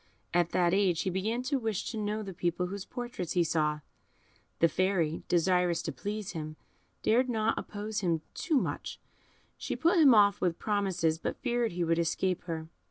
At that age he began to wish to know the people whose portraits he saw; the Fairy, desirous to please him, dared not oppose him too much; she put him off with promises, but feared he would escape her.